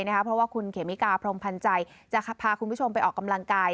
เพราะว่าคุณเขมิกาพรมพันธ์ใจจะพาคุณผู้ชมไปออกกำลังกาย